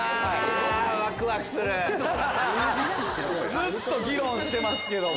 ずっと議論してますけども。